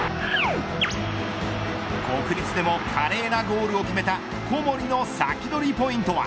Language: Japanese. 国立でも華麗なゴールを決めた小森のサキドリポイントは。